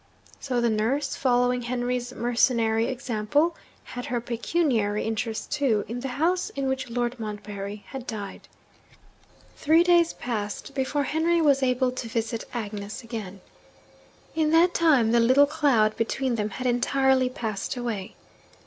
So the nurse, following Henry's mercenary example, had her pecuniary interest, too, in the house in which Lord Montbarry had died. Three days passed before Henry was able to visit Agnes again. In that time, the little cloud between them had entirely passed away.